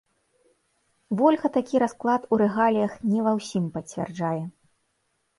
Вольга такі расклад у рэгаліях не ва ўсім пацвярджае.